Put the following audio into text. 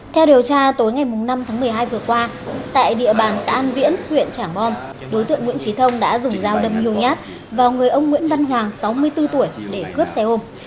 theo điều tra tối ngày năm tháng một mươi hai vừa qua tại địa bàn xã an viễn huyện trảng bom đối tượng nguyễn trí thông đã dùng dao đâm nhiều nhát vào người ông nguyễn văn hoàng sáu mươi bốn tuổi để cướp xe ôm